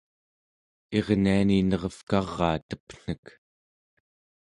irniani nerevkaraa tepnek